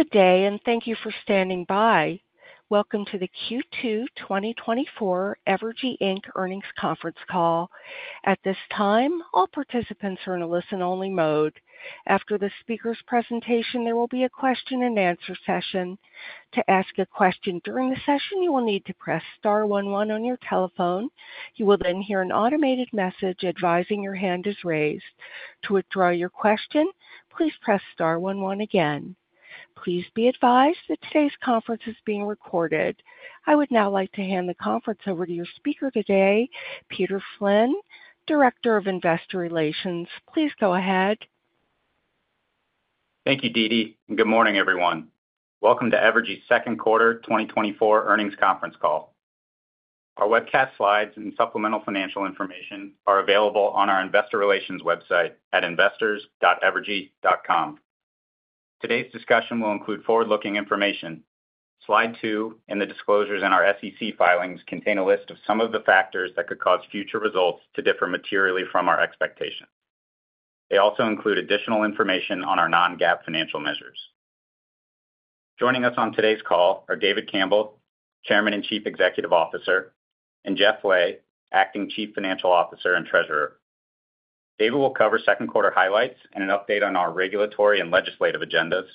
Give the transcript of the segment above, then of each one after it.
Good day, and thank you for standing by. Welcome to the Q2 2024 Evergy, Inc. earnings conference call. At this time, all participants are in a listen-only mode. After the speaker's presentation, there will be a question-and-answer session. To ask a question during the session, you will need to press star one one on your telephone. You will then hear an automated message advising your hand is raised. To withdraw your question, please press star one one again. Please be advised that today's conference is being recorded. I would now like to hand the conference over to your speaker today, Peter Flynn, Director of Investor Relations. Please go ahead. Thank you, Deedee, and good morning, everyone. Welcome to Evergy's second quarter 2024 earnings conference call. Our webcast slides and supplemental financial information are available on our investor relations website at investors.evergy.com. Today's discussion will include forward-looking information. Slide 2 and the disclosures in our SEC filings contain a list of some of the factors that could cause future results to differ materially from our expectations. They also include additional information on our non-GAAP financial measures. Joining us on today's call are David Campbell, Chairman and Chief Executive Officer, and Geoff Lay, Acting Chief Financial Officer and Treasurer. David will cover second quarter highlights and an update on our regulatory and legislative agendas.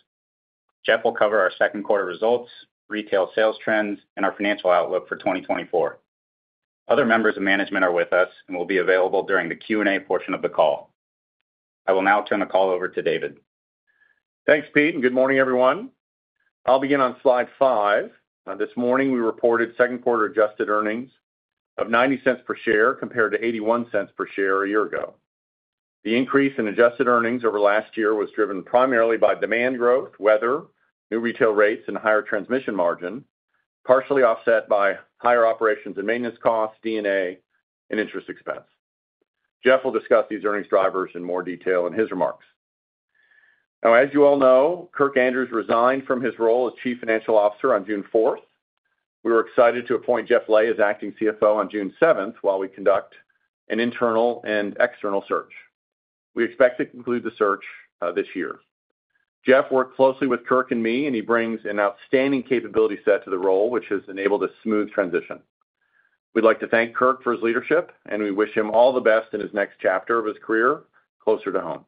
Geoff will cover our second quarter results, retail sales trends, and our financial outlook for 2024. Other members of management are with us and will be available during the Q&A portion of the call. I will now turn the call over to David. Thanks, Pete, and good morning, everyone. I'll begin on slide 5. This morning, we reported second quarter adjusted earnings of $0.90 per share, compared to $0.81 per share a year ago. The increase in adjusted earnings over last year was driven primarily by demand growth, weather, new retail rates, and higher transmission margin, partially offset by higher operations and maintenance costs, D&A, and interest expense. Geoff will discuss these earnings drivers in more detail in his remarks. Now, as you all know, Kirk Andrews resigned from his role as Chief Financial Officer on June 4. We were excited to appoint Geoff Lay as Acting CFO on June 7, while we conduct an internal and external search. We expect to conclude the search this year. Geoff worked closely with Kirk and me, and he brings an outstanding capability set to the role, which has enabled a smooth transition. We'd like to thank Kirk for his leadership, and we wish him all the best in his next chapter of his career, closer to home.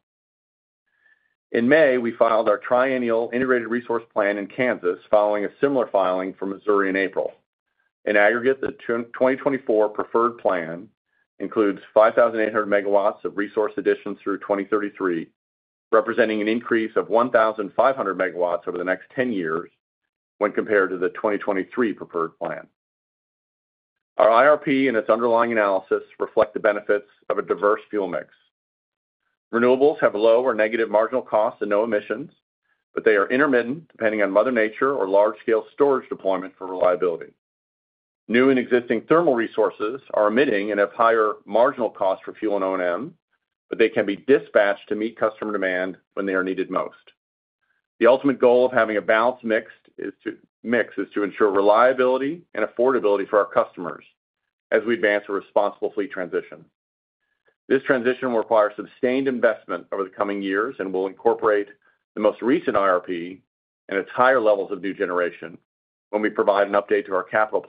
In May, we filed our triennial Integrated Resource Plan in Kansas, following a similar filing for Missouri in April. In aggregate, the 2024 preferred plan includes 5,800 megawatts of resource additions through 2033, representing an increase of 1,500 megawatts over the next 10 years when compared to the 2023 preferred plan. Our IRP and its underlying analysis reflect the benefits of a diverse fuel mix. Renewables have low or negative marginal costs and no emissions, but they are intermittent, depending on Mother Nature or large-scale storage deployment for reliability. New and existing thermal resources are emitting and have higher marginal costs for fuel and O&M, but they can be dispatched to meet customer demand when they are needed most. The ultimate goal of having a balanced mix is to ensure reliability and affordability for our customers as we advance a responsible fleet transition. This transition will require sustained investment over the coming years and will incorporate the most recent IRP and its higher levels of new generation when we provide an update to our capital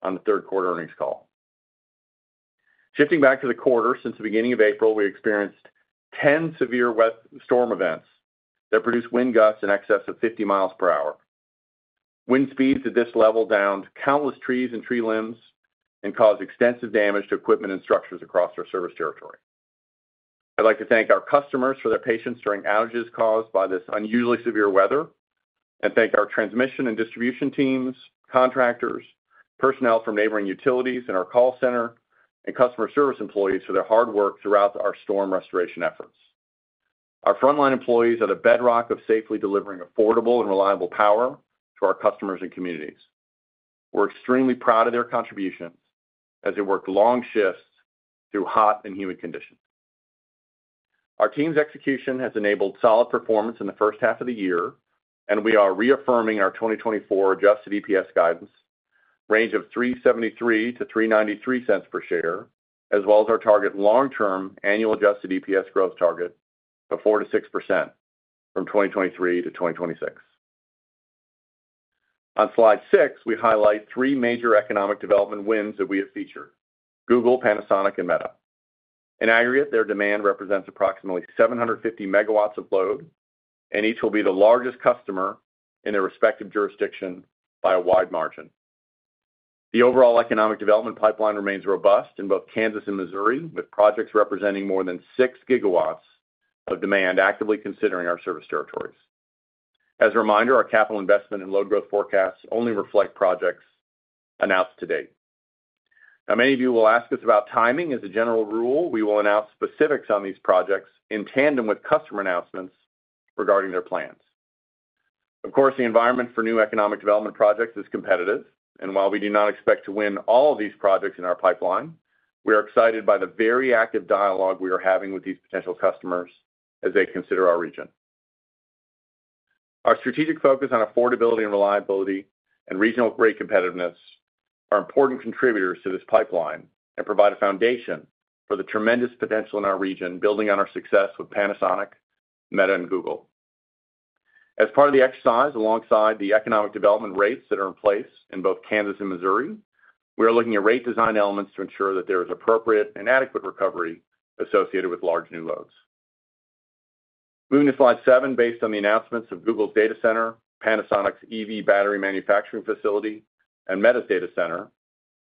plan on the third quarter earnings call. Shifting back to the quarter, since the beginning of April, we experienced 10 severe weather storm events that produced wind gusts in excess of 50 miles per hour. Wind speeds at this level downed countless trees and tree limbs and caused extensive damage to equipment and structures across our service territory. I'd like to thank our customers for their patience during outages caused by this unusually severe weather, and thank our transmission and distribution teams, contractors, personnel from neighboring utilities and our call center and customer service employees for their hard work throughout our storm restoration efforts. Our frontline employees are the bedrock of safely delivering affordable and reliable power to our customers and communities. We're extremely proud of their contributions as they worked long shifts through hot and humid conditions. Our team's execution has enabled solid performance in the first half of the year, and we are reaffirming our 2024 adjusted EPS guidance range of $3.73-$3.93 per share, as well as our target long-term annual adjusted EPS growth target of 4%-6% from 2023 to 2026. On slide six, we highlight three major economic development wins that we have featured: Google, Panasonic, and Meta. In aggregate, their demand represents approximately 750 MW of load, and each will be the largest customer in their respective jurisdiction by a wide margin. The overall economic development pipeline remains robust in both Kansas and Missouri, with projects representing more than 6 GW of demand actively considering our service territories. As a reminder, our capital investment and load growth forecasts only reflect projects announced to date. Now, many of you will ask us about timing. As a general rule, we will announce specifics on these projects in tandem with customer announcements regarding their plans. Of course, the environment for new economic development projects is competitive, and while we do not expect to win all of these projects in our pipeline, we are excited by the very active dialogue we are having with these potential customers as they consider our region. Our strategic focus on affordability and reliability and regional rate competitiveness are important contributors to this pipeline and provide a foundation for the tremendous potential in our region, building on our success with Panasonic, Meta, and Google. As part of the exercise, alongside the economic development rates that are in place in both Kansas and Missouri, we are looking at rate design elements to ensure that there is appropriate and adequate recovery associated with large new loads. Moving to slide 7, based on the announcements of Google's data center, Panasonic's EV battery manufacturing facility, and Meta's data center,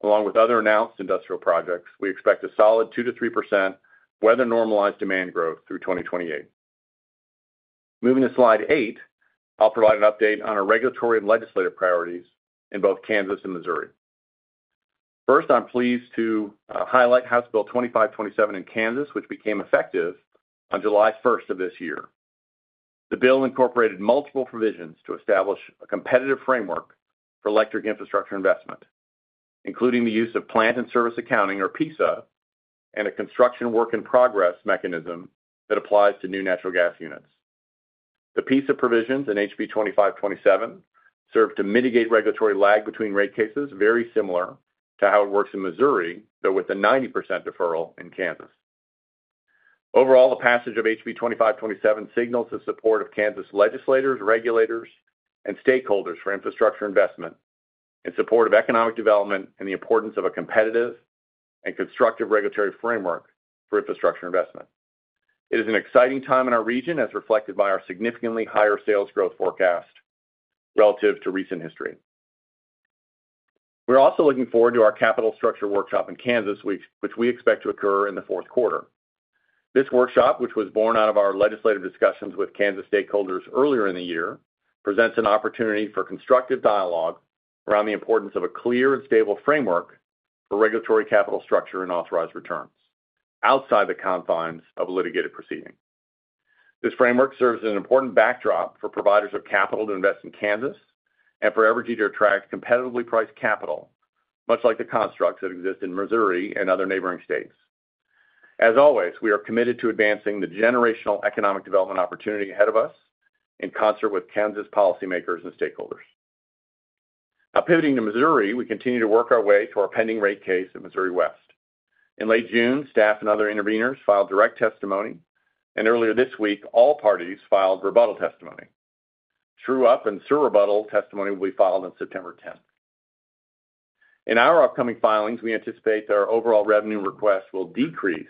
along with other announced industrial projects, we expect a solid 2%-3%, weather-normalized demand growth through 2028. Moving to slide 8, I'll provide an update on our regulatory and legislative priorities in both Kansas and Missouri. First, I'm pleased to highlight House Bill 2527 in Kansas, which became effective on July 1st of this year. The bill incorporated multiple provisions to establish a competitive framework for electric infrastructure investment, including the use of Plant in Service Accounting, or PISA, and a construction work in progress mechanism that applies to new natural gas units. The PISA provisions in HB 2527 serve to mitigate regulatory lag between rate cases, very similar to how it works in Missouri, though with a 90% deferral in Kansas. Overall, the passage of HB 2527 signals the support of Kansas legislators, regulators, and stakeholders for infrastructure investment in support of economic development and the importance of a competitive and constructive regulatory framework for infrastructure investment. It is an exciting time in our region, as reflected by our significantly higher sales growth forecast relative to recent history. We're also looking forward to our capital structure workshop in Kansas, which we expect to occur in the fourth quarter. This workshop, which was born out of our legislative discussions with Kansas stakeholders earlier in the year, presents an opportunity for constructive dialogue around the importance of a clear and stable framework for regulatory capital structure and authorized returns, outside the confines of a litigated proceeding. This framework serves as an important backdrop for providers of capital to invest in Kansas and for Evergy to attract competitively priced capital, much like the constructs that exist in Missouri and other neighboring states. As always, we are committed to advancing the generational economic development opportunity ahead of us in concert with Kansas policymakers and stakeholders. Now, pivoting to Missouri, we continue to work our way through our pending rate case in Missouri West. In late June, staff and other interveners filed direct testimony, and earlier this week, all parties filed rebuttal testimony. True-up and surrebuttal testimony will be filed on September tenth. In our upcoming filings, we anticipate that our overall revenue request will decrease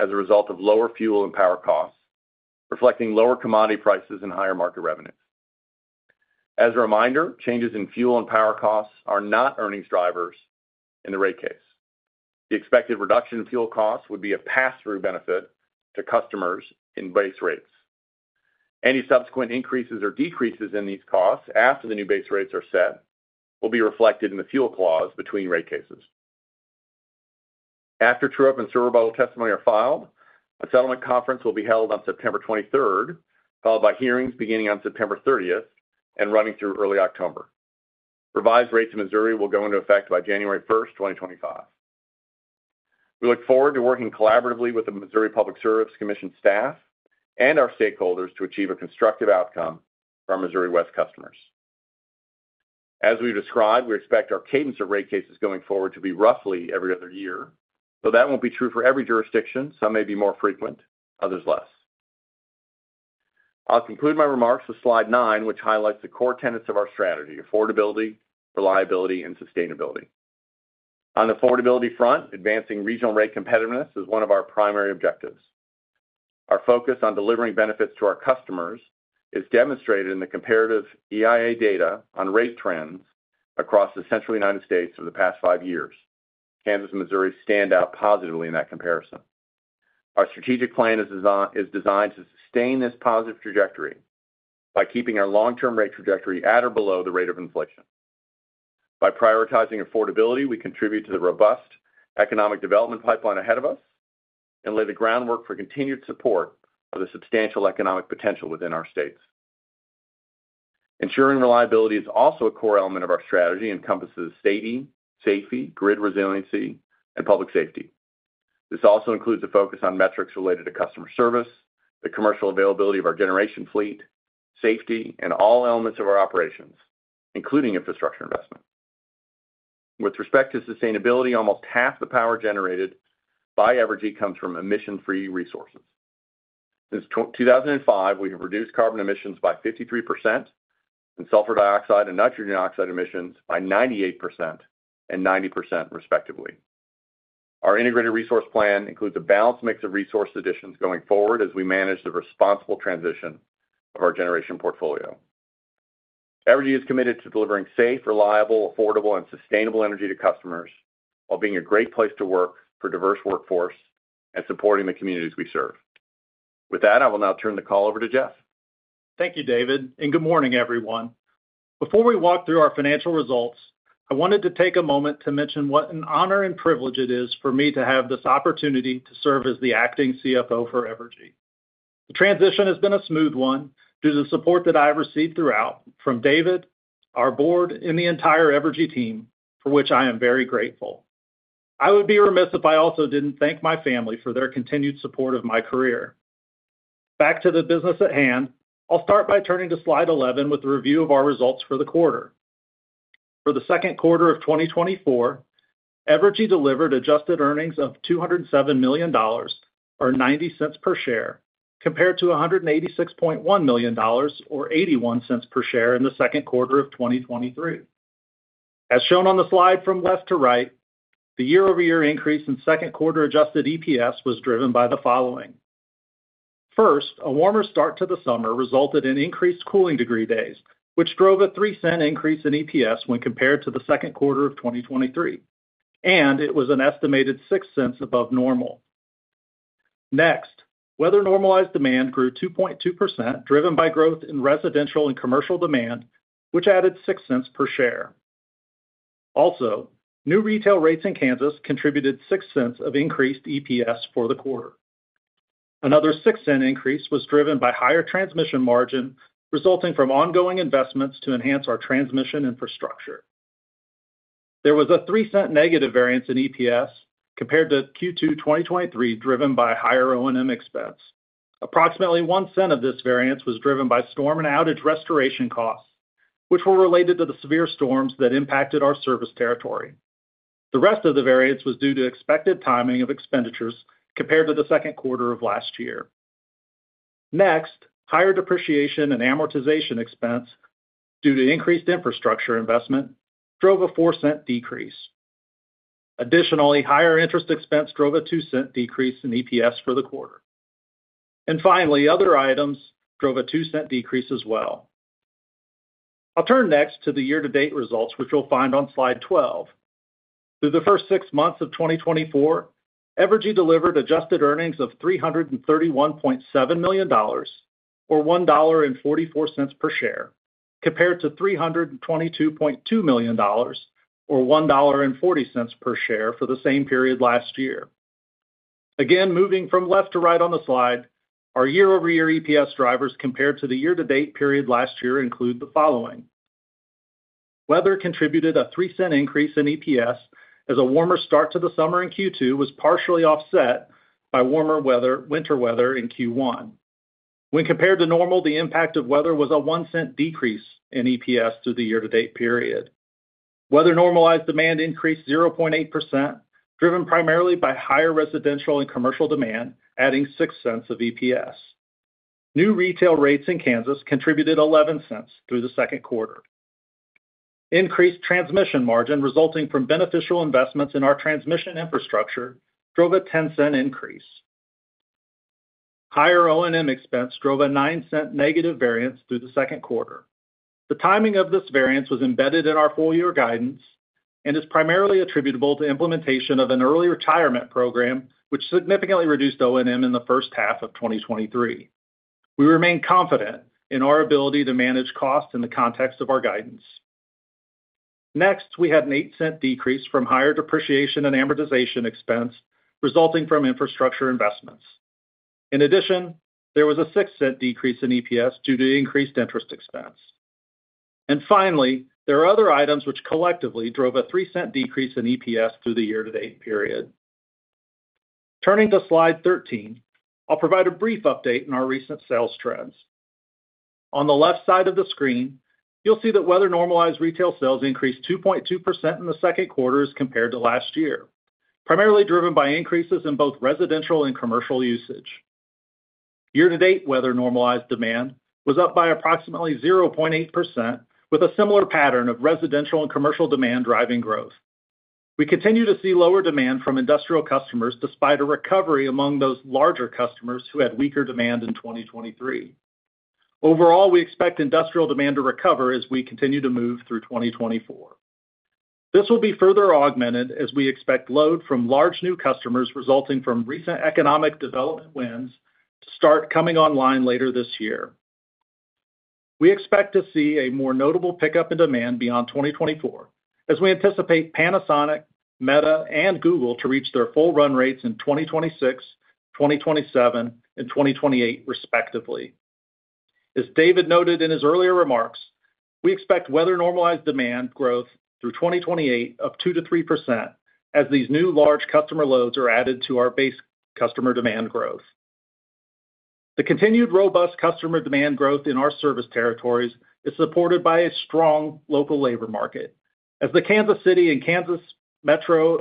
as a result of lower fuel and power costs, reflecting lower commodity prices and higher market revenues. As a reminder, changes in fuel and power costs are not earnings drivers in the rate case. The expected reduction in fuel costs would be a pass-through benefit to customers in base rates. Any subsequent increases or decreases in these costs after the new base rates are set, will be reflected in the fuel clause between rate cases. After true-up and surrebuttal testimony are filed, a settlement conference will be held on September 23rd, followed by hearings beginning on September 30th and running through early October. Revised rates in Missouri will go into effect by January 1, 2025. We look forward to working collaboratively with the Missouri Public Service Commission staff and our stakeholders to achieve a constructive outcome for our Missouri West customers. As we've described, we expect our cadence of rate cases going forward to be roughly every other year, though that won't be true for every jurisdiction. Some may be more frequent, others less. I'll conclude my remarks with slide 9, which highlights the core tenets of our strategy: affordability, reliability, and sustainability. On the affordability front, advancing regional rate competitiveness is one of our primary objectives. Our focus on delivering benefits to our customers is demonstrated in the comparative EIA data on rate trends across the central United States for the past 5 years. Kansas and Missouri stand out positively in that comparison. Our strategic plan is designed to sustain this positive trajectory by keeping our long-term rate trajectory at or below the rate of inflation. By prioritizing affordability, we contribute to the robust economic development pipeline ahead of us and lay the groundwork for continued support of the substantial economic potential within our states. Ensuring reliability is also a core element of our strategy, encompasses stability, safety, grid resiliency, and public safety. This also includes a focus on metrics related to customer service, the commercial availability of our generation fleet, safety, and all elements of our operations, including infrastructure investment. With respect to sustainability, almost half the power generated by Evergy comes from emission-free resources. Since 2005, we have reduced carbon emissions by 53% and sulfur dioxide and nitrogen oxide emissions by 98% and 90% respectively. Our Integrated Resource Plan includes a balanced mix of resource additions going forward as we manage the responsible transition of our generation portfolio. Evergy is committed to delivering safe, reliable, affordable, and sustainable energy to customers, while being a great place to work for a diverse workforce and supporting the communities we serve. With that, I will now turn the call over to Geoff. Thank you, David, and good morning, everyone. Before we walk through our financial results, I wanted to take a moment to mention what an honor and privilege it is for me to have this opportunity to serve as the acting CFO for Evergy. The transition has been a smooth one through the support that I have received throughout from David, our board, and the entire Evergy team, for which I am very grateful. I would be remiss if I also didn't thank my family for their continued support of my career.... Back to the business at hand, I'll start by turning to slide 11 with a review of our results for the quarter For the second quarter of 2024, Evergy delivered adjusted earnings of $207 million, or $0.90 per share, compared to $186.1 million, or $0.81 per share in the second quarter of 2023. As shown on the slide from left to right, the year-over-year increase in second quarter adjusted EPS was driven by the following: First, a warmer start to the summer resulted in increased cooling degree days, which drove a $0.03 increase in EPS when compared to the second quarter of 2023, and it was an estimated $0.06 above normal. Next, weather-normalized demand grew 2.2%, driven by growth in residential and commercial demand, which added $0.06 per share. Also, new retail rates in Kansas contributed $0.06 of increased EPS for the quarter. Another $0.06 increase was driven by higher transmission margin, resulting from ongoing investments to enhance our transmission infrastructure. There was a $0.03 negative variance in EPS compared to Q2 2023, driven by higher O&M expense. Approximately $0.01 of this variance was driven by storm and outage restoration costs, which were related to the severe storms that impacted our service territory. The rest of the variance was due to expected timing of expenditures compared to the second quarter of last year. Next, higher depreciation and amortization expense due to increased infrastructure investment drove a $0.04 decrease. Additionally, higher interest expense drove a $0.02 decrease in EPS for the quarter. And finally, other items drove a $0.02 decrease as well. I'll turn next to the year-to-date results, which you'll find on slide 12. Through the first six months of 2024, Evergy delivered adjusted earnings of $331.7 million, or $1.44 per share, compared to $322.2 million or $1.40 per share for the same period last year. Again, moving from left to right on the slide, our year-over-year EPS drivers compared to the year-to-date period last year include the following: Weather contributed a 3-cent increase in EPS, as a warmer start to the summer in Q2 was partially offset by warmer winter weather in Q1. When compared to normal, the impact of weather was a 1-cent decrease in EPS through the year-to-date period. Weather-normalized demand increased 0.8%, driven primarily by higher residential and commercial demand, adding 6 cents of EPS. New retail rates in Kansas contributed $0.11 through the second quarter. Increased transmission margin, resulting from beneficial investments in our transmission infrastructure, drove a $0.10 increase. Higher O&M expense drove a $0.09 negative variance through the second quarter. The timing of this variance was embedded in our full year guidance and is primarily attributable to implementation of an early retirement program, which significantly reduced O&M in the first half of 2023. We remain confident in our ability to manage costs in the context of our guidance. Next, we had an $0.08 decrease from higher depreciation and amortization expense resulting from infrastructure investments. In addition, there was a $0.06 decrease in EPS due to increased interest expense. And finally, there are other items which collectively drove a $0.03 decrease in EPS through the year-to-date period. Turning to slide 13, I'll provide a brief update in our recent sales trends. On the left side of the screen, you'll see that weather-normalized retail sales increased 2.2% in the second quarter as compared to last year, primarily driven by increases in both residential and commercial usage. Year-to-date, weather-normalized demand was up by approximately 0.8%, with a similar pattern of residential and commercial demand driving growth. We continue to see lower demand from industrial customers, despite a recovery among those larger customers who had weaker demand in 2023. Overall, we expect industrial demand to recover as we continue to move through 2024. This will be further augmented as we expect load from large new customers resulting from recent economic development wins to start coming online later this year. We expect to see a more notable pickup in demand beyond 2024 as we anticipate Panasonic, Meta, and Google to reach their full run rates in 2026, 2027, and 2028, respectively. As David noted in his earlier remarks, we expect weather-normalized demand growth through 2028 of 2%-3%, as these new large customer loads are added to our base customer demand growth. The continued robust customer demand growth in our service territories is supported by a strong local labor market. As the Kansas City metro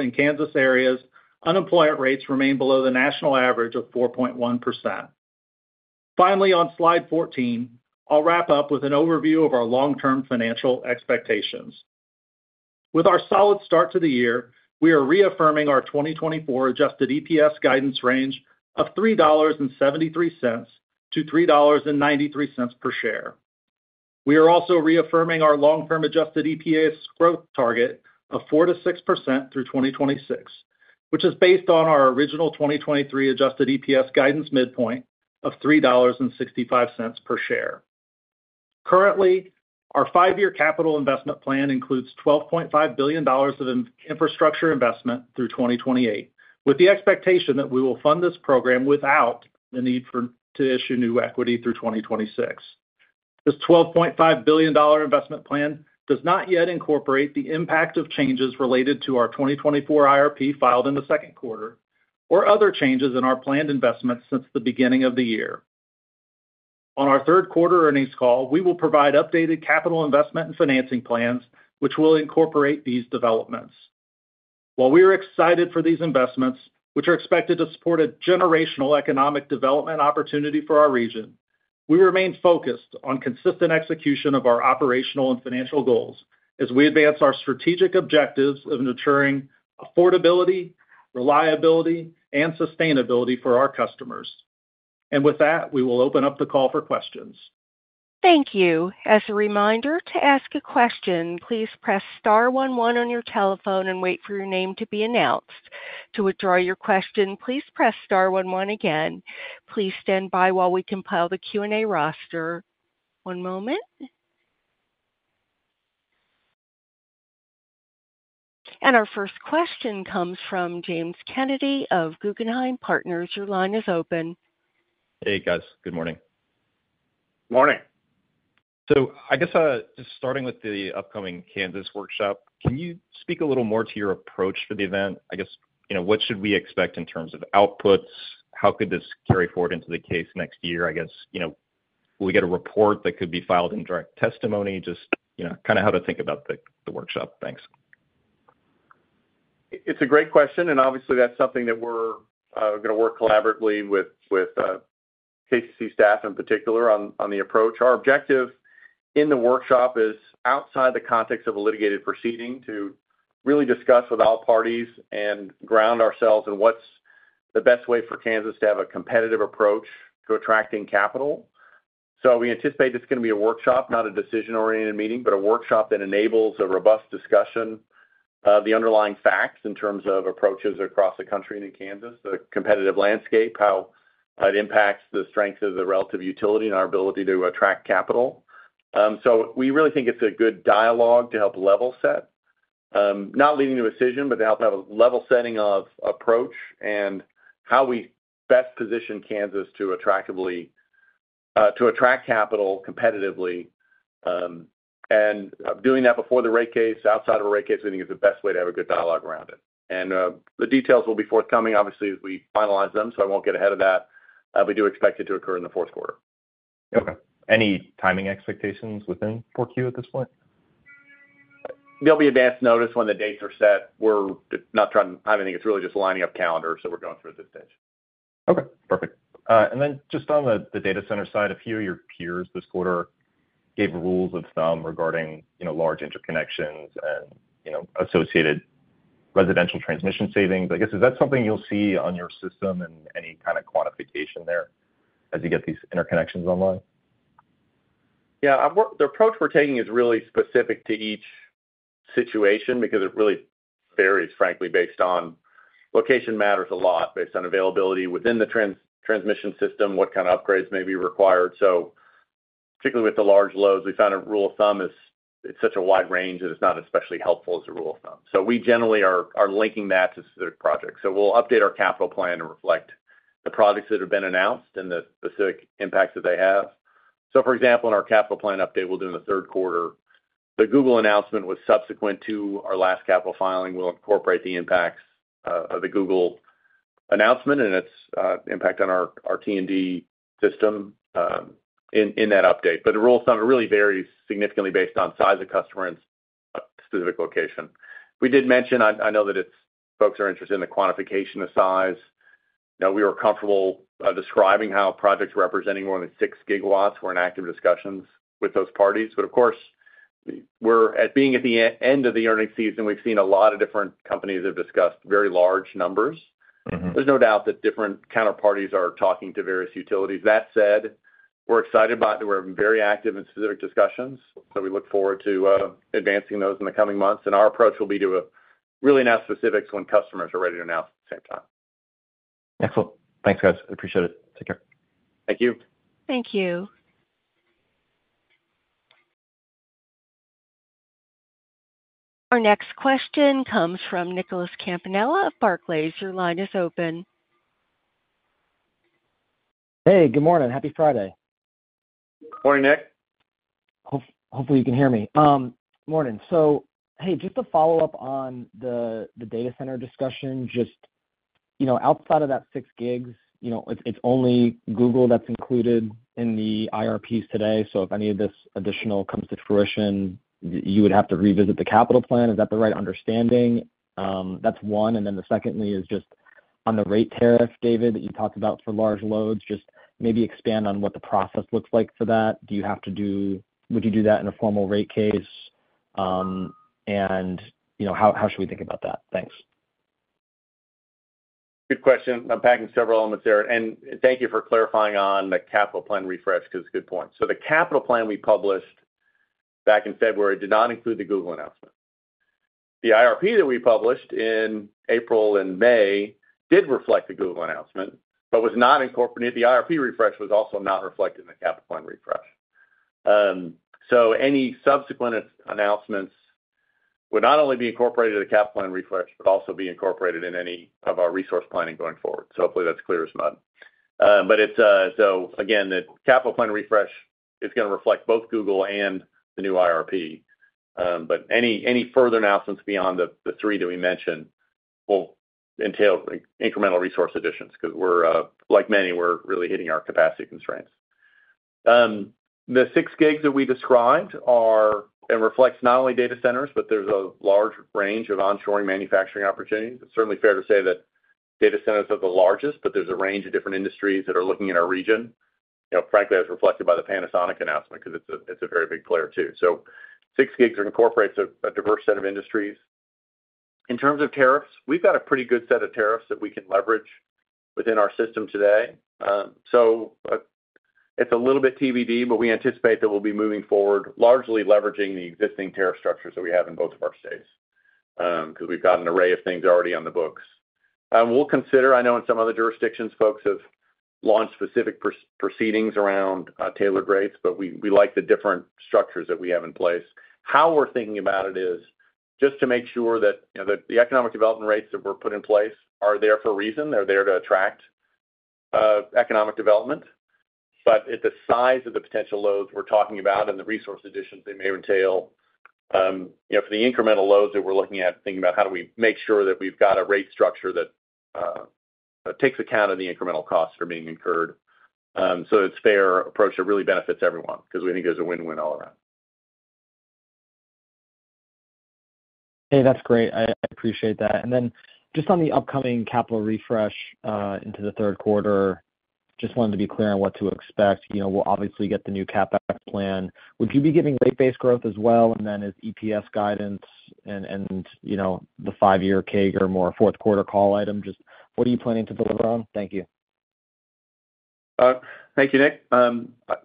and Kansas areas, unemployment rates remain below the national average of 4.1%. Finally, on slide 14, I'll wrap up with an overview of our long-term financial expectations. With our solid start to the year, we are reaffirming our 2024 adjusted EPS guidance range of $3.73-$3.93 per share. We are also reaffirming our long-term adjusted EPS growth target of 4%-6% through 2026, which is based on our original 2023 adjusted EPS guidance midpoint of $3.65 per share. Currently, our five-year capital investment plan includes $12.5 billion of infrastructure investment through 2028, with the expectation that we will fund this program without the need for to issue new equity through 2026.... This $12.5 billion investment plan does not yet incorporate the impact of changes related to our 2024 IRP filed in the second quarter, or other changes in our planned investments since the beginning of the year. On our third quarter earnings call, we will provide updated capital investment and financing plans, which will incorporate these developments. While we are excited for these investments, which are expected to support a generational economic development opportunity for our region, we remain focused on consistent execution of our operational and financial goals as we advance our strategic objectives of ensuring affordability, reliability, and sustainability for our customers. With that, we will open up the call for questions. Thank you. As a reminder, to ask a question, please press star one one on your telephone and wait for your name to be announced. To withdraw your question, please press star one one again. Please stand by while we compile the Q&A roster. One moment. Our first question comes from James Kennedy of Guggenheim Partners. Your line is open. Hey, guys. Good morning. Morning! So I guess, just starting with the upcoming Kansas workshop, can you speak a little more to your approach for the event? I guess, you know, what should we expect in terms of outputs? How could this carry forward into the case next year? I guess, you know, will we get a report that could be filed in direct testimony? Just, you know, kind of how to think about the workshop. Thanks. It's a great question, and obviously, that's something that we're going to work collaboratively with, with KCC staff in particular on, on the approach. Our objective in the workshop is outside the context of a litigated proceeding to really discuss with all parties and ground ourselves in what's the best way for Kansas to have a competitive approach to attracting capital. So we anticipate this is going to be a workshop, not a decision-oriented meeting, but a workshop that enables a robust discussion of the underlying facts in terms of approaches across the country and in Kansas, the competitive landscape, how it impacts the strength of the relative utility and our ability to attract capital. So we really think it's a good dialogue to help level set, not leading to a decision, but to help have a level setting of approach and how we best position Kansas to attractively, to attract capital competitively. And doing that before the rate case, outside of a rate case, we think is the best way to have a good dialogue around it. And, the details will be forthcoming, obviously, as we finalize them, so I won't get ahead of that. We do expect it to occur in the fourth quarter. Okay. Any timing expectations within 4Q at this point? There'll be advanced notice when the dates are set. We're not trying to have anything. It's really just lining up calendars, so we're going through at this stage. Okay, perfect. And then just on the, the data center side, a few of your peers this quarter gave rules of thumb regarding, you know, large interconnections and, you know, associated residential transmission savings. I guess, is that something you'll see on your system and any kind of quantification there as you get these interconnections online? Yeah, the approach we're taking is really specific to each situation because it really varies, frankly, based on location matters a lot, based on availability within the transmission system, what kind of upgrades may be required. So particularly with the large loads, we found a rule of thumb is it's such a wide range that it's not especially helpful as a rule of thumb. So we generally are linking that to specific projects. So we'll update our capital plan to reflect the projects that have been announced and the specific impacts that they have. So for example, in our capital plan update, we'll do in the third quarter. The Google announcement was subsequent to our last capital filing. We'll incorporate the impacts of the Google announcement and its impact on our T&D system in that update. But the rule of thumb, it really varies significantly based on size of customer and specific location. We did mention, I know that it's folks are interested in the quantification of size. You know, we were comfortable, describing how projects representing more than 6 GW were in active discussions with those parties. But of course, we're at being at the end of the earnings season, we've seen a lot of different companies have discussed very large numbers. There's no doubt that different counterparties are talking to various utilities. That said, we're excited about it. We're very active in specific discussions, so we look forward to advancing those in the coming months, and our approach will be to really announce specifics when customers are ready to announce at the same time. Excellent. Thanks, guys. I appreciate it. Take care. Thank you. Thank you. Our next question comes from Nicholas Campanella of Barclays. Your line is open. Hey, good morning. Happy Friday. Morning, Nick. Hopefully you can hear me. Morning. So, hey, just to follow up on the data center discussion, just, you know, outside of that 6 gigs, you know, it's only Google that's included in the IRPs today. So if any of this additional comes to fruition, you would have to revisit the capital plan. Is that the right understanding? That's one. And then the secondly is just on the rate tariff, David, that you talked about for large loads, just maybe expand on what the process looks like for that. Would you do that in a formal rate case? And, you know, how should we think about that? Thanks. Good question. I'm packing several elements there, and thank you for clarifying on the capital plan refresh, because good point. So the capital plan we published back in February did not include the Google announcement. The IRP that we published in April and May did reflect the Google announcement, but was not incorporated. The IRP refresh was also not reflected in the capital plan refresh. So any subsequent announcements would not only be incorporated in the capital plan refresh, but also be incorporated in any of our resource planning going forward. So hopefully, that's clear as mud. But it's, so again, the capital plan refresh is going to reflect both Google and the new IRP. But any further announcements beyond the three that we mentioned will entail incremental resource additions, because we're, like many, we're really hitting our capacity constraints. The 6 gigs that we described are. It reflects not only data centers, but there's a large range of onshoring manufacturing opportunities. It's certainly fair to say that data centers are the largest, but there's a range of different industries that are looking in our region, you know, frankly, as reflected by the Panasonic announcement, because it's a very big player, too. So 6 gigs incorporates a diverse set of industries. In terms of tariffs, we've got a pretty good set of tariffs that we can leverage within our system today. So, it's a little bit TBD, but we anticipate that we'll be moving forward, largely leveraging the existing tariff structures that we have in both of our states, because we've got an array of things already on the books. We'll consider. I know in some other jurisdictions, folks have launched specific proceedings around tailored rates, but we like the different structures that we have in place. How we're thinking about it is just to make sure that, you know, the economic development rates that were put in place are there for a reason. They're there to attract economic development. But at the size of the potential loads we're talking about and the resource additions they may entail, you know, for the incremental loads that we're looking at, thinking about how do we make sure that we've got a rate structure that takes account of the incremental costs that are being incurred. So it's fair approach that really benefits everyone because we think there's a win-win all around. Hey, that's great. I appreciate that. And then just on the upcoming capital refresh into the third quarter, just wanted to be clear on what to expect. You know, we'll obviously get the new CapEx plan. Would you be giving rate base growth as well? And then as EPS guidance and, you know, the five-year CAGR or more fourth quarter call item, just what are you planning to deliver on? Thank you. Thank you, Nick.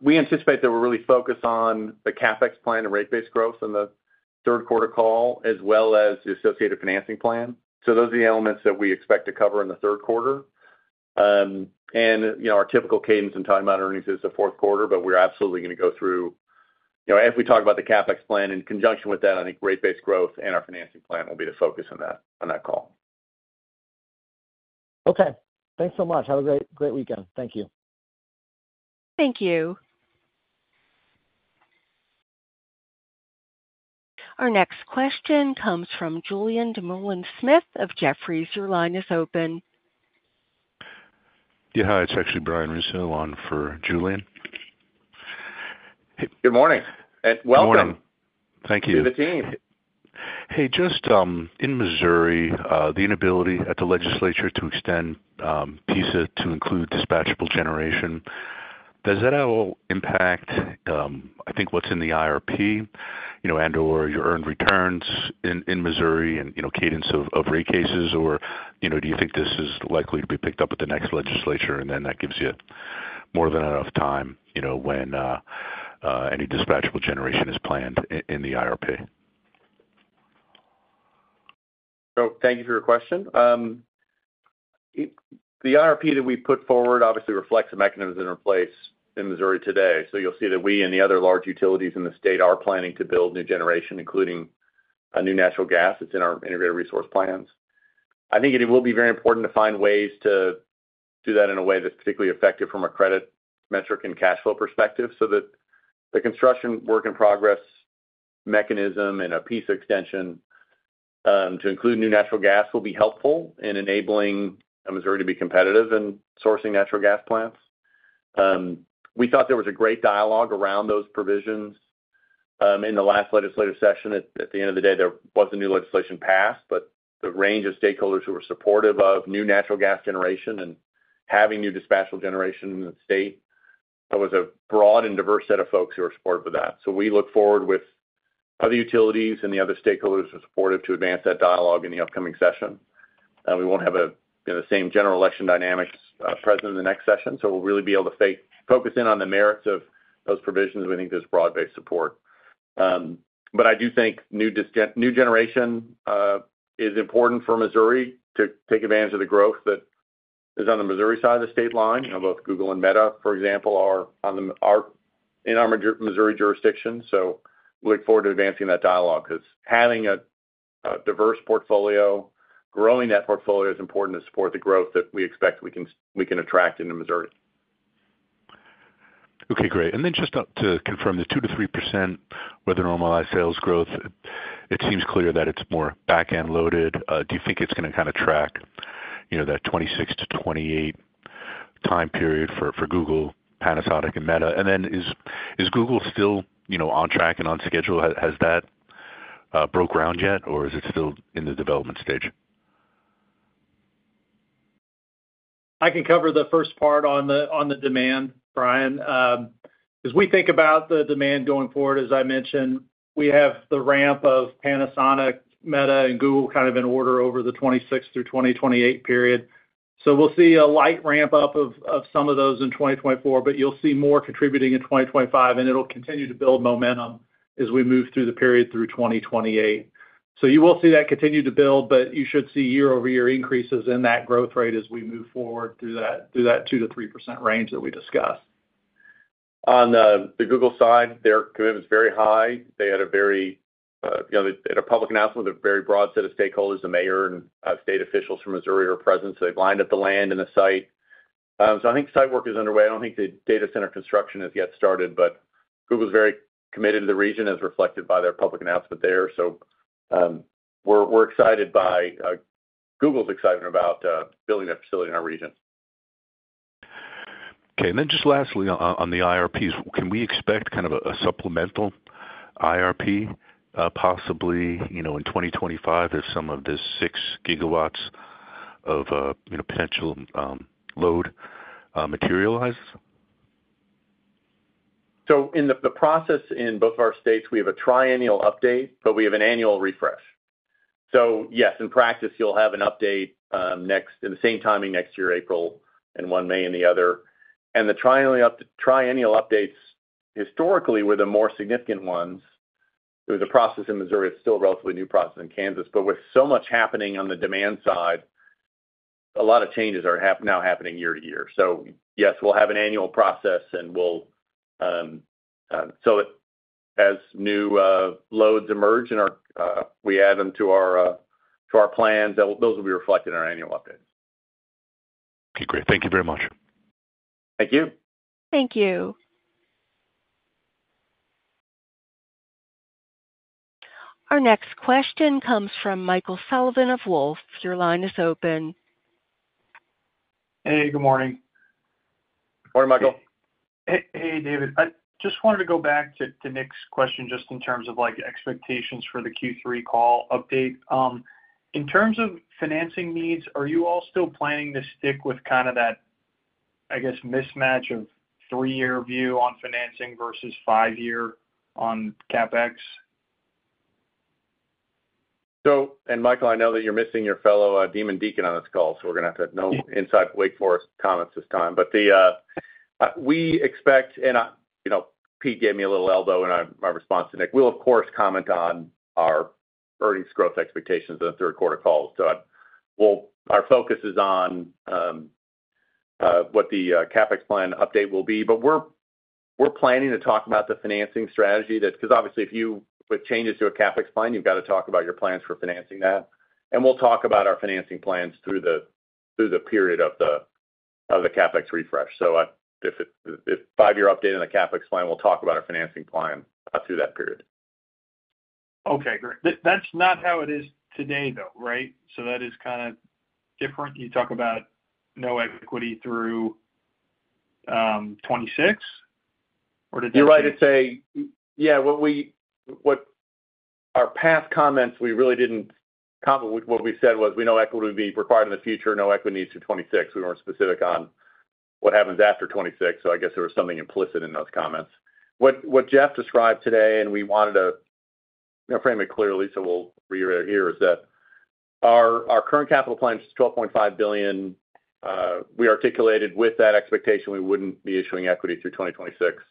We anticipate that we're really focused on the CapEx plan and rate base growth in the third quarter call, as well as the associated financing plan. So those are the elements that we expect to cover in the third quarter. And, you know, our typical cadence and time on earnings is the fourth quarter, but we're absolutely going to go through, you know, as we talk about the CapEx plan, in conjunction with that, I think rate base growth and our financing plan will be the focus on that, on that call. Okay, thanks so much. Have a great, great weekend. Thank you. Thank you. Our next question comes from Julien Dumoulin-Smith of Jefferies. Your line is open. Yeah, hi, it's actually Brian Russo on for Julien. Good morning, and welcome. Thank you. Hey, just, in Missouri, the inability at the legislature to extend, PISA to include dispatchable generation, does that at all impact, I think what's in the IRP, you know, and/or your earned returns in Missouri and, you know, cadence of rate cases? Or, you know, do you think this is likely to be picked up at the next legislature, and then that gives you more than enough time, you know, when any dispatchable generation is planned in the IRP? So thank you for your question. The IRP that we put forward obviously reflects the mechanisms that are in place in Missouri today. You'll see that we and the other large utilities in the state are planning to build new generation, including a new natural gas. It's in our Integrated Resource Plans. I think it will be very important to find ways to do that in a way that's particularly effective from a credit metric and cash flow perspective, so that the construction work in progress mechanism and a PISA extension to include new natural gas, will be helpful in enabling Missouri to be competitive in sourcing natural gas plants. We thought there was a great dialogue around those provisions in the last legislative session. At the end of the day, there was a new legislation passed, but the range of stakeholders who were supportive of new natural gas generation and having new dispatchable generation in the state, that was a broad and diverse set of folks who were supportive of that. So we look forward with other utilities and the other stakeholders who are supportive to advance that dialogue in the upcoming session. We won't have a, you know, the same general election dynamics present in the next session, so we'll really be able to focus in on the merits of those provisions. We think there's broad-based support. But I do think new generation is important for Missouri to take advantage of the growth that is on the Missouri side of the state line. You know, both Google and Meta, for example, are in our Missouri jurisdiction. So we look forward to advancing that dialogue, because having a diverse portfolio, growing that portfolio is important to support the growth that we expect we can attract into Missouri. Okay, great. And then just to confirm the 2%-3% with the normalized sales growth, it seems clear that it's more back-end loaded. Do you think it's going to kind of track, you know, that 2026 to 2028 time period for Google, Panasonic, and Meta? And then is Google still, you know, on track and on schedule? Has that broke ground yet, or is it still in the development stage? I can cover the first part on the demand, Brian. As we think about the demand going forward, as I mentioned, we have the ramp of Panasonic, Meta, and Google kind of in order over the 2026 through 2028 period. So we'll see a light ramp-up of some of those in 2024, but you'll see more contributing in 2025, and it'll continue to build momentum as we move through the period through 2028. So you will see that continue to build, but you should see year-over-year increases in that growth rate as we move forward through that 2%-3% range that we discussed. ...On the Google side, their commitment is very high. They had a very, you know, they had a public announcement with a very broad set of stakeholders. The mayor and state officials from Missouri are present, so they've lined up the land and the site. So I think site work is underway. I don't think the data center construction has yet started, but Google's very committed to the region, as reflected by their public announcement there. So, we're excited by Google's excitement about building that facility in our region. Okay, and then just lastly, on the IRPs, can we expect kind of a supplemental IRP, possibly, you know, in 2025 as some of this 6 gigawatts of, you know, potential load materializes? So in the process in both of our states, we have a triennial update, but we have an annual refresh. So yes, in practice, you'll have an update in the same timing next year, April, and one May and the other. And the triennial updates, historically, were the more significant ones through the process in Missouri. It's still a relatively new process in Kansas. But with so much happening on the demand side, a lot of changes are now happening year to year. So yes, we'll have an annual process, and we'll so as new loads emerge in our we add them to our to our plans, those will be reflected in our annual updates. Okay, great. Thank you very much. Thank you. Thank you. Our next question comes from Michael Sullivan of Wolfe. Your line is open. Hey, good morning. Morning, Michael. Hey, hey, David. I just wanted to go back to Nick's question, just in terms of, like, expectations for the Q3 call update. In terms of financing needs, are you all still planning to stick with kind of that, I guess, mismatch of three-year view on financing versus five-year on CapEx? And Michael, I know that you're missing your fellow Demon Deacon on this call, so we're going to have to have no inside Wake Forest comments this time. But we expect, and I... You know, Pete gave me a little elbow in on my response to Nick. We'll, of course, comment on our earnings growth expectations in the third quarter call. So our focus is on what the CapEx plan update will be, but we're planning to talk about the financing strategy. That's because, obviously, with changes to a CapEx plan, you've got to talk about your plans for financing that. And we'll talk about our financing plans through the period of the CapEx refresh. So, five-year update on the CapEx plan, we'll talk about our financing plan through that period. Okay, great. That, that's not how it is today, though, right? So that is kind of different. You talk about no equity through 2026, or did that- You're right to say... Yeah, what our past comments, we really didn't comment. What we said was, we know equity would be required in the future, no equity needs to 2026. We weren't specific on what happens after 2026, so I guess there was something implicit in those comments. What Geoff described today, and we wanted to, you know, frame it clearly, so we'll reiterate, is that our current capital plan is $12.5 billion. We articulated with that expectation we wouldn't be issuing equity through 2026.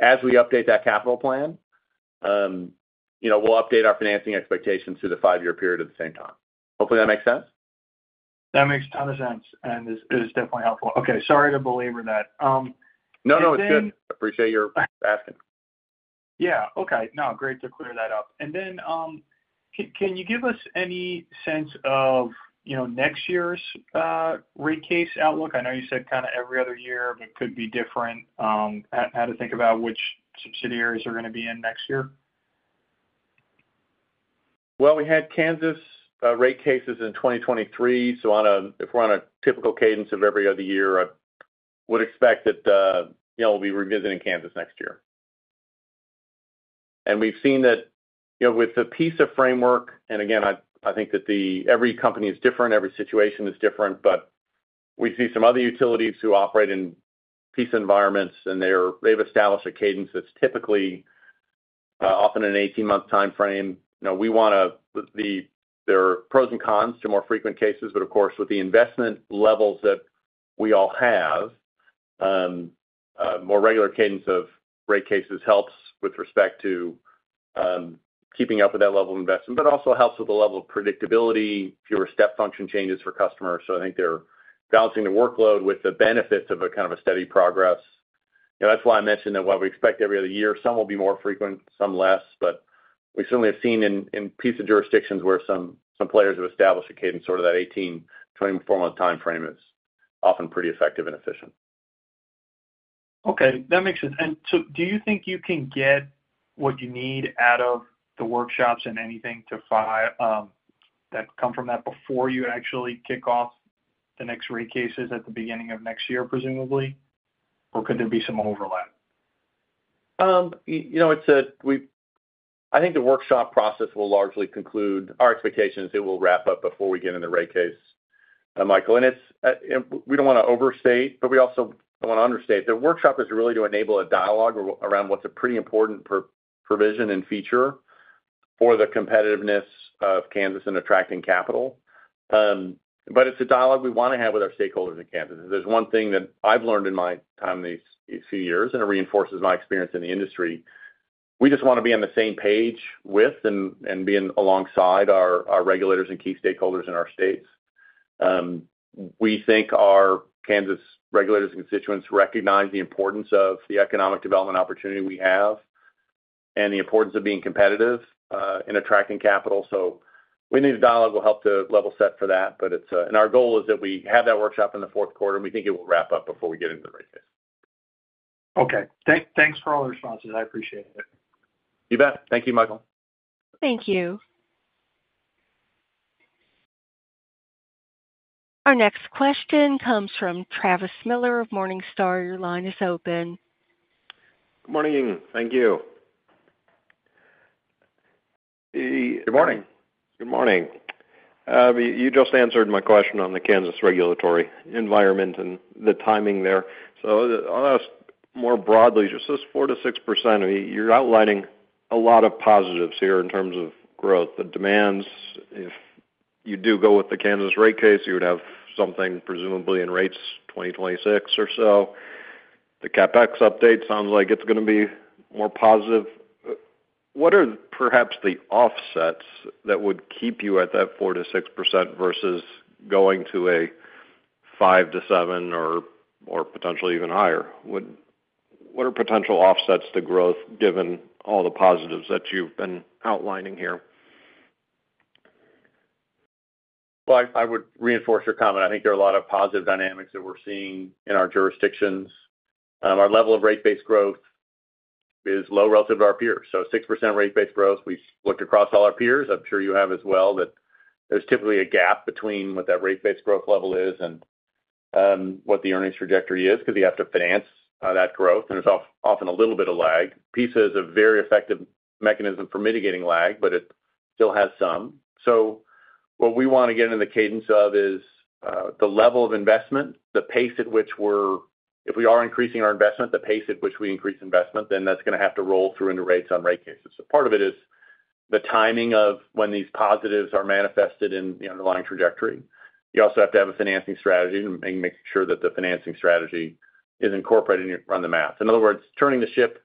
As we update that capital plan, you know, we'll update our financing expectations through the five-year period at the same time. Hopefully, that makes sense? That makes a ton of sense and is definitely helpful. Okay, sorry to belabor that. No, no, it's good. Appreciate your asking. Yeah, okay. No, great to clear that up. And then, can you give us any sense of, you know, next year's rate case outlook? I know you said kind of every other year, but it could be different, how to think about which subsidiaries are going to be in next year. Well, we had Kansas rate cases in 2023, so if we're on a typical cadence of every other year, I would expect that, you know, we'll be revisiting Kansas next year. And we've seen that, you know, with the PISA framework, and again, I think that every company is different, every situation is different, but we see some other utilities who operate in PISA environments, and they've established a cadence that's typically often an 18-month timeframe. You know, there are pros and cons to more frequent cases, but of course, with the investment levels that we all have, more regular cadence of rate cases helps with respect to keeping up with that level of investment, but also helps with the level of predictability, fewer step function changes for customers. So I think they're balancing the workload with the benefits of a kind of a steady progress. You know, that's why I mentioned that while we expect every other year, some will be more frequent, some less, but we certainly have seen in PISA jurisdictions where some players have established a cadence, sort of that 18-24-month timeframe is often pretty effective and efficient. Okay, that makes sense. And so do you think you can get what you need out of the workshops and anything that come from that before you actually kick off the next rate cases at the beginning of next year, presumably? Or could there be some overlap? You know, I think the workshop process will largely conclude. Our expectation is it will wrap up before we get in the rate case, Michael, and it's, and we don't want to overstate, but we also don't want to understate. The workshop is really to enable a dialogue around what's a pretty important provision and feature for the competitiveness of Kansas in attracting capital. But it's a dialogue we want to have with our stakeholders in Kansas. If there's one thing that I've learned in my time these few years, and it reinforces my experience in the industry, we just want to be on the same page with and being alongside our regulators and key stakeholders in our states. We think our Kansas regulators and constituents recognize the importance of the economic development opportunity we have and the importance of being competitive in attracting capital. So we need a dialogue will help to level set for that, but it's, and our goal is that we have that workshop in the fourth quarter, and we think it will wrap up before we get into the rate case. Okay. Thanks for all the responses. I appreciate it. You bet. Thank you, Michael. Thank you. Our next question comes from Travis Miller of Morningstar. Your line is open. Good morning. Thank you. Good morning. Good morning. You just answered my question on the Kansas regulatory environment and the timing there. So I'll ask more broadly, just this 4%-6%, I mean, you're outlining a lot of positives here in terms of growth. The demands, if you do go with the Kansas rate case, you would have something presumably in rates 2026 or so. The CapEx update sounds like it's going to be more positive. What are perhaps the offsets that would keep you at that 4%-6% versus going to a 5%-7% or, or potentially even higher? What are potential offsets to growth, given all the positives that you've been outlining here? Well, I would reinforce your comment. I think there are a lot of positive dynamics that we're seeing in our jurisdictions. Our level of rate base growth is low relative to our peers. So 6% rate base growth, we've looked across all our peers. I'm sure you have as well, that there's typically a gap between what that rate base growth level is and, what the earnings trajectory is, because you have to finance, that growth, and there's often a little bit of lag. PISA is a very effective mechanism for mitigating lag, but it still has some. So what we want to get in the cadence of is the level of investment, the pace at which we are increasing our investment, the pace at which we increase investment, then that's going to have to roll through into rates on rate cases. So part of it is the timing of when these positives are manifested in the underlying trajectory. You also have to have a financing strategy and making sure that the financing strategy is incorporated and you run the math. In other words, turning the ship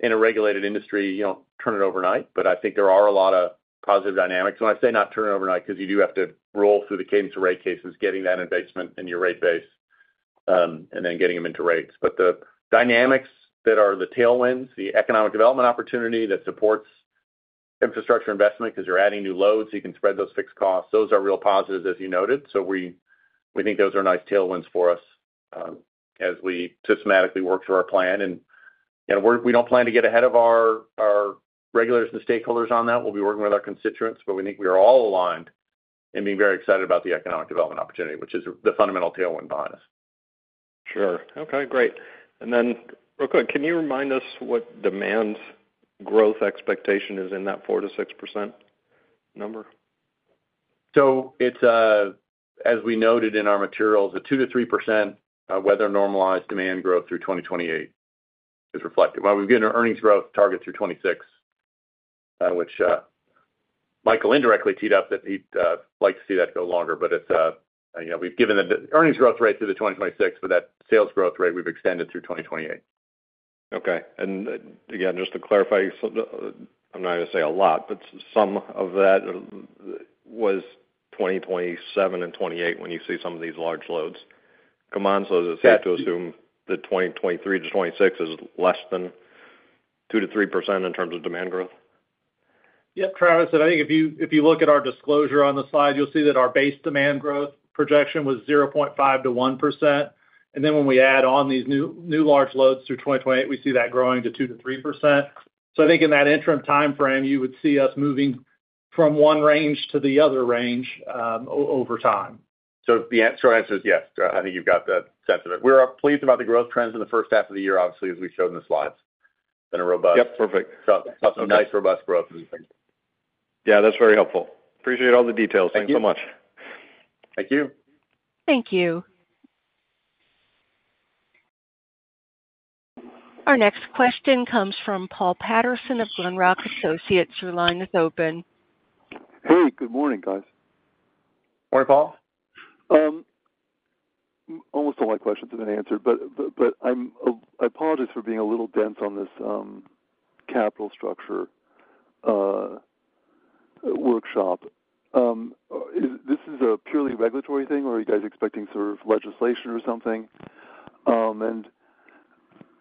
in a regulated industry, you don't turn it overnight, but I think there are a lot of positive dynamics. When I say not turn it overnight, because you do have to roll through the cadence of rate cases, getting that investment in your rate base, and then getting them into rates. But the dynamics that are the tailwinds, the economic development opportunity that supports infrastructure investment, because you're adding new loads, you can spread those fixed costs. Those are real positives, as you noted. So we think those are nice tailwinds for us, as we systematically work through our plan, and we don't plan to get ahead of our regulators and stakeholders on that. We'll be working with our constituents, but we think we are all aligned and being very excited about the economic development opportunity, which is the fundamental tailwind behind us. Sure. Okay, great. And then real quick, can you remind us what demand's growth expectation is in that 4%-6% number? So it's, as we noted in our materials, a 2%-3% weather-normalized demand growth through 2028 is reflected. Well, we've given our earnings growth target through 2026, which Michael indirectly teed up that he'd like to see that go longer, but it's, you know, we've given the earnings growth rate through 2026, but that sales growth rate we've extended through 2028. Okay. And again, just to clarify, so I'm not going to say a lot, but some of that was 2027 and 2028 when you see some of these large loads come on. So is it safe to assume that 2023 to 2026 is less than 2%-3% in terms of demand growth? Yep, Travis, and I think if you, if you look at our disclosure on the slide, you'll see that our base demand growth projection was 0.5%-1%. And then when we add on these new, new large loads through 2028, we see that growing to 2%-3%. So I think in that interim timeframe, you would see us moving from one range to the other range, over time. The short answer is yes. I think you've got the sense of it. We're pleased about the growth trends in the first half of the year, obviously, as we showed in the slides. Perfect. So nice, robust growth. Yeah, that's very helpful. Appreciate all the details. Thank you so much. Thank you. Thank you. Our next question comes from Paul Patterson of Glenrock Associates. Your line is open. Hey, good morning, guys. Morning, Paul. Almost all my questions have been answered, but I'm—I apologize for being a little dense on this capital structure workshop. Is this a purely regulatory thing, or are you guys expecting sort of legislation or something? And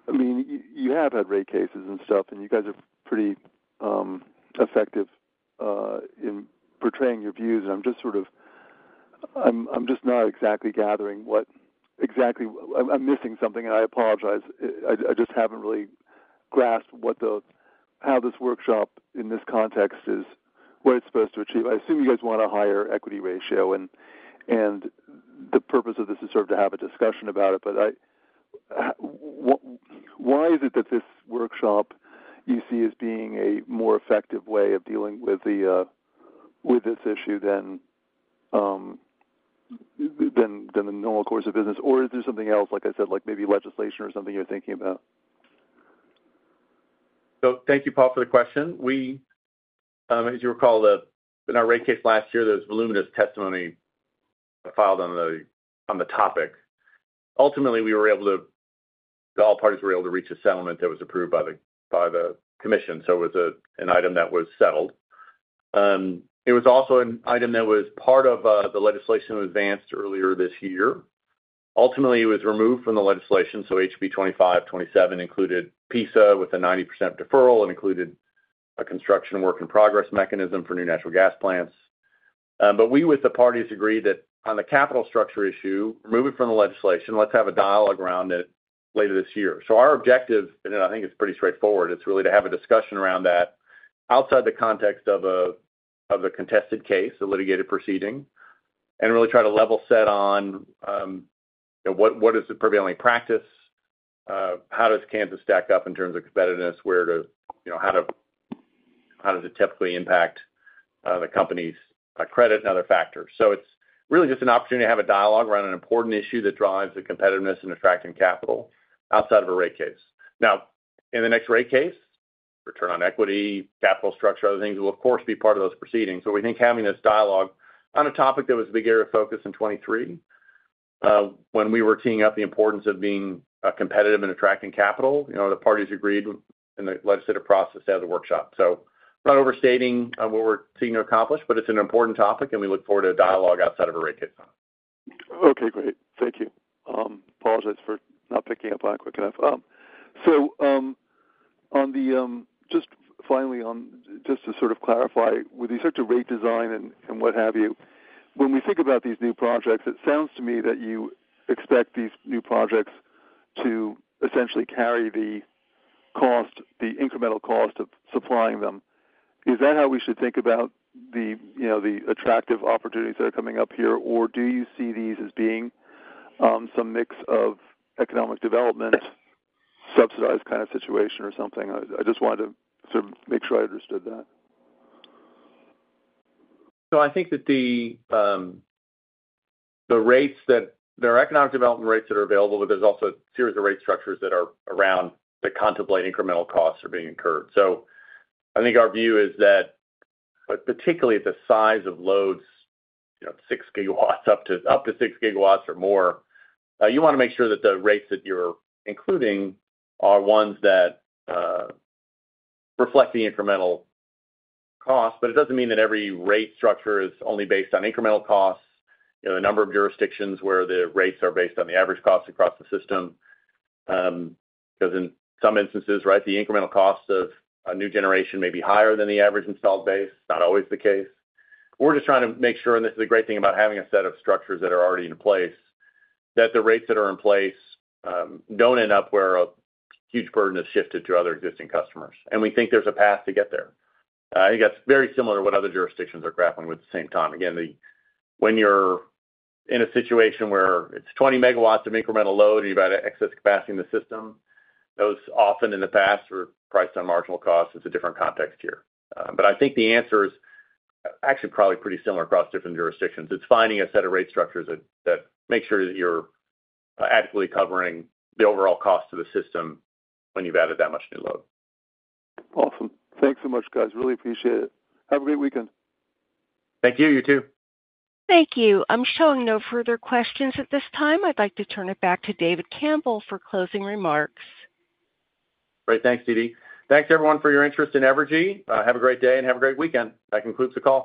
I mean, you have had rate cases and stuff, and you guys are pretty effective in portraying your views. I'm just sort of... I'm just not exactly gathering what exactly—I'm missing something, and I apologize. I just haven't really grasped what the—how this workshop in this context is, what it's supposed to achieve. I assume you guys want a higher equity ratio, and the purpose of this is sort of to have a discussion about it, but why is it that this workshop you see as being a more effective way of dealing with this issue than the normal course of business? Or is there something else, like I said, like maybe legislation or something you're thinking about? So thank you, Paul, for the question. We, as you recall, in our rate case last year, there was voluminous testimony filed on the, on the topic. Ultimately, All parties were able to reach a settlement that was approved by the, by the commission, so it was a, an item that was settled. It was also an item that was part of, the legislation that was advanced earlier this year. Ultimately, it was removed from the legislation, so HB 2527 included PISA with a 90% deferral and included a construction work in progress mechanism for new natural gas plants. But we, with the parties, agreed that on the capital structure issue, remove it from the legislation, let's have a dialogue around it later this year. So our objective, and I think it's pretty straightforward, it's really to have a discussion around that outside the context of a, of a contested case, a litigated proceeding, and really try to level set on, you know, what, what is the prevailing practice, how does Kansas stack up in terms of competitiveness, where to, you know, how to—how does it typically impact, the company's, credit and other factors? So it's really just an opportunity to have a dialogue around an important issue that drives the competitiveness and attracting capital outside of a rate case. Now, in the next rate case, return on equity, capital structure, other things, will of course, be part of those proceedings. So we think having this dialogue on a topic that was a big area of focus in 2023, when we were teeing up the importance of being, competitive and attracting capital, you know, the parties agreed in the legislative process to have the workshop. So not overstating, what we're seeking to accomplish, but it's an important topic, and we look forward to a dialogue outside of a rate case. Okay, great. Thank you. Apologize for not picking up on it quick enough. So, just finally, on just to sort of clarify, with these sorts of rate design and what have you, when we think about these new projects, it sounds to me that you expect these new projects to essentially carry the cost, the incremental cost of supplying them. Is that how we should think about the, you know, the attractive opportunities that are coming up here? Or do you see these as being some mix of economic development, subsidized kind of situation or something? I just wanted to sort of make sure I understood that. I think that the rates that there are economic development rates that are available, but there's also a series of rate structures that are around that contemplate incremental costs are being incurred. So I think our view is that, particularly at the size of loads, you know, 6 gigawatts, up to, up to 6 gigawatts or more, you wanna make sure that the rates that you're including are ones that reflect the incremental cost. But it doesn't mean that every rate structure is only based on incremental costs. You know, a number of jurisdictions where the rates are based on the average cost across the system, because in some instances, right, the incremental costs of a new generation may be higher than the average installed base. Not always the case. We're just trying to make sure, and this is a great thing about having a set of structures that are already in place, that the rates that are in place, don't end up where a huge burden is shifted to other existing customers, and we think there's a path to get there. I think that's very similar to what other jurisdictions are grappling with at the same time. Again, when you're in a situation where it's 20 megawatts of incremental load, and you've got excess capacity in the system, those often in the past, were priced on marginal costs. It's a different context here. But I think the answer is actually probably pretty similar across different jurisdictions. It's finding a set of rate structures that, that make sure that you're adequately covering the overall cost to the system when you've added that much new load. Awesome. Thanks so much, guys. Really appreciate it. Have a great weekend. Thank you. You too. Thank you. I'm showing no further questions at this time. I'd like to turn it back to David Campbell for closing remarks. Great. Thanks, Dee Dee. Thanks, everyone, for your interest in Evergy. Have a great day, and have a great weekend. That concludes the call.